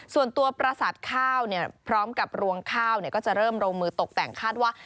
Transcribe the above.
ส่วนตัวปราสาทข้าวเนี่ยพร้อมกับรวงข้าวก็จะเริ่มลงมือตกแต่งคาดว่า